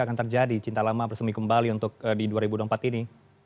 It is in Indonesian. akan terjadi cinta lama bersemi kembali untuk di dua ribu dua puluh empat ini